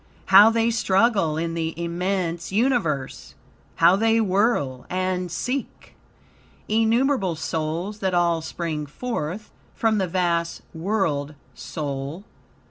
"How they struggle in the immense Universe! How they whirl and seek! Innumerable souls, that all spring forth From the vast world soul.